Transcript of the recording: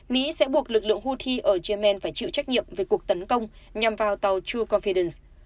mỹ sẽ buộc lực lượng houthi ở yemen phải chịu trách nhiệm về cuộc tấn công nhằm vào tàu true confidence